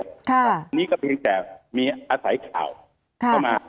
อันนี้ก็เพียงแต่มีอาศัยข่าวเข้ามา